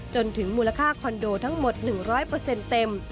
จนถึงมูลค่าคอนโดทั้งหมด๑๐๐เต็ม